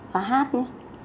và hát nhé